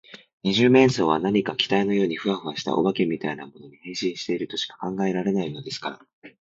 二十面相は何か気体のようにフワフワした、お化けみたいなものに、変身しているとしか考えられないのですから。